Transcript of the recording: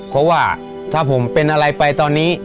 เพราะว่าถ้าผมเป็นอะไรไปตอนนี้